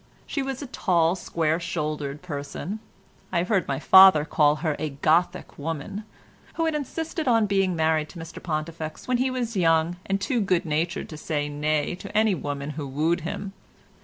She was a tall, square shouldered person (I have heard my father call her a Gothic woman) who had insisted on being married to Mr Pontifex when he was young and too good natured to say nay to any woman who wooed him.